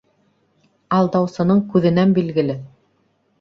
Алдаусының күҙенән билгеле.